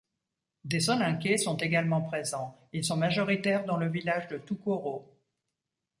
Des Soninkés sont également présents, ils sont majoritaires dans le village de Toukoro.